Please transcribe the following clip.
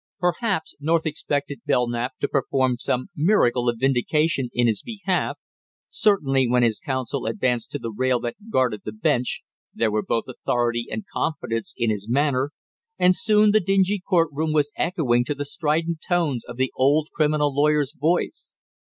Perhaps North expected Belknap to perform some miracle of vindication in his behalf, certainly when his counsel advanced to the rail that guarded the bench there were both authority and confidence in his manner, and soon the dingy court room was echoing to the strident tones of the old criminal lawyer's voice.